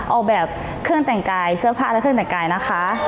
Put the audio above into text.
เอาแบบเครื่องแต่งกายเสื้อผ้าและเครื่องแต่งกายนะคะ